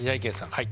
はい。